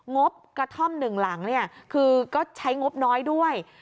งบกระท่อม๑หลังก็ใช้งบน้อยด้วย